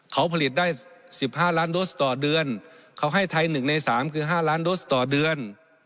เขาผลิตได้๑๕ล้านโดสต่อเดือนเขาให้ไทย๑ใน๓คือ๕ล้านโดสต่อเดือน